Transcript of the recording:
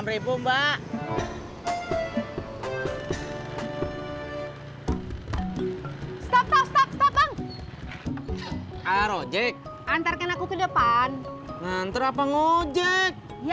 rp enam mbak stop stop stop stop bang arojek antarkan aku ke depan nganter apa ngujek ya